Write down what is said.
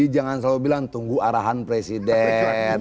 jangan selalu bilang tunggu arahan presiden